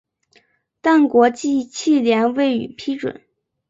但国际汽联未予批准。